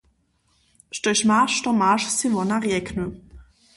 Štož maš, to maš, sej wona rjekny.